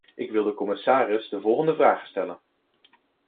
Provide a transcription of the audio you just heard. Ik wil de commissaris de volgende vragen stellen.